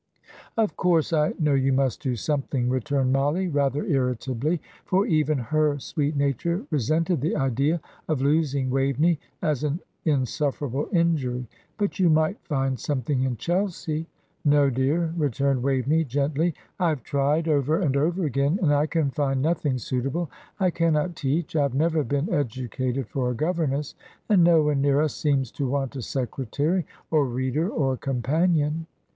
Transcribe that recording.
"Of course, I know you must do something," returned Mollie, rather irritably, for even her sweet nature resented the idea of losing Waveney as an insufferable injury; "but you might find something in Chelsea." "No, dear," returned Waveney, gently. "I have tried, over and over again, and I can find nothing suitable. I cannot teach I have never been educated for a governess; and no one near us seems to want a secretary or reader, or companion."